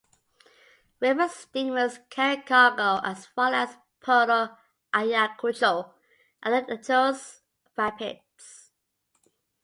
River steamers carry cargo as far as Puerto Ayacucho and the Atures Rapids.